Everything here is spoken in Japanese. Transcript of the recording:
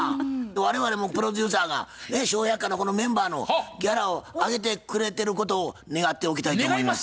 我々もプロデューサーが「笑百科」のこのメンバーのギャラを上げてくれてることを願っておきたいと思います。